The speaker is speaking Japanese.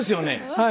はい。